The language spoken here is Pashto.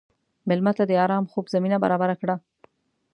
مېلمه ته د ارام خوب زمینه برابره کړه.